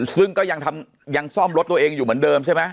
ซึ่งก็ยังซ่อมรถตัวเองอยู่เหมือนเดิมใช่ไหม